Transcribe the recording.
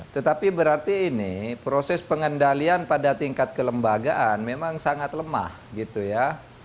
tetapi berarti ini proses pengendalian pada tingkat kelembagaan memang sangat lemah gitu ya